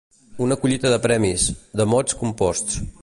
Una collita de premis, de mots composts.